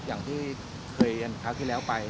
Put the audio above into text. อย่างที่เคยเรียนคราวที่แล้วไป